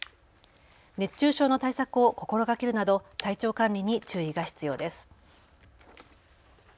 熱中症の対策を心がけるなど体調管理に注意が必要です。